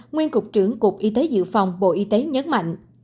nguyên cục trưởng cục y tế dự phòng bộ y tế nhấn mạnh